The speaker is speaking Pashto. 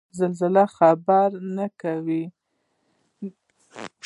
زلزله خبر نه کوي